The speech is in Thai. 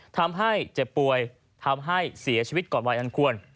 ทำให้เจ็บป่วยทำให้เสียชีวิตก่อนวัยอันควร